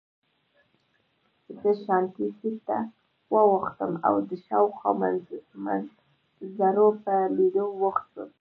زه شاتني سېټ ته واوښتم او د شاوخوا منظرو په لیدو بوخت شوم.